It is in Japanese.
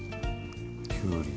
きゅうり。